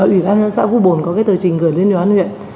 ủy ban dân tỉnh phú bồn có cái tờ trình gửi lên đoàn huyện